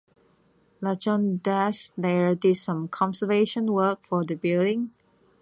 Rajon Das later did some conservation work for the building.